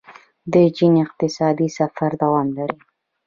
د چین اقتصادي سفر دوام لري.